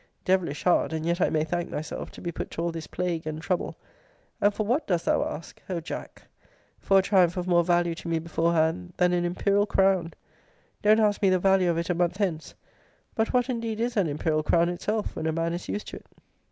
Devilish hard (and yet I may thank myself) to be put to all this plague and trouble: And for what dost thou ask? O Jack, for a triumph of more value to me beforehand than an imperial crown! Don't ask me the value of it a month hence. But what indeed is an imperial crown itself when a man is used to it?